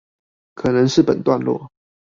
可能是本段落